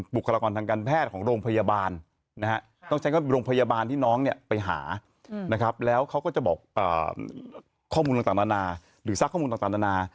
ผู้กรรมกรกรทางการแพทย์ของโรงพยาบาลนะแล้วเขาก็จะบอกข้อมูลต่างจั่นหนาหรือซักข้อมูลต่างจานทั่นหนา